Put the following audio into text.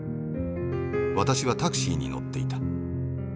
私はタクシーに乗っていた。